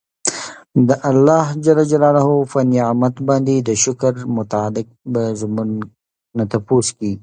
د الله په نعمت باندي د شکر متعلق به زمونږ نه تپوس کيږي